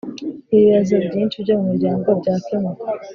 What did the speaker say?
ibibazo byinshi byo mu muryango byakemuka.